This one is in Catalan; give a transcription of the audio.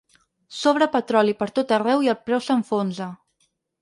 Sobra petroli pertot arreu i el preu s’enfonsa!